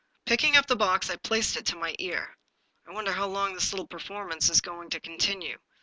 Picking up the box, I placed it to my ear. " I wonder how long this little performance is going to continue.